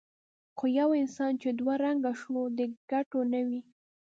خو یو انسان چې دوه رنګه شو د کتو نه وي.